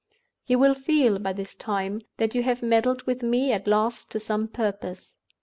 You will feel, by this time, that you have meddled with me at last to some purpose.